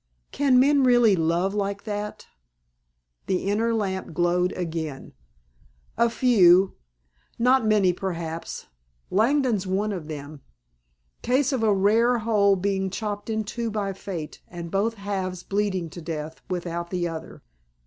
"Can men really love like that?" The inner lamp glowed again. "A few. Not many, perhaps. Langdon's one of them. Case of a rare whole being chopped in two by fate and both halves bleeding to death without the other.